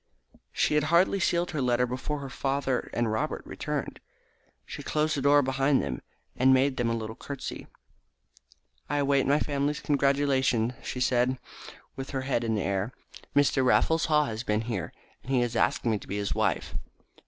She had hardly sealed her letter before her father and Robert returned. She closed the door behind them, and made them a little curtsey. "I await my family's congratulations," she said, with her head in the air. "Mr. Raffles Haw has been here, and he has asked me to be his wife."